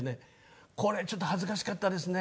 これちょっと恥ずかしかったですね。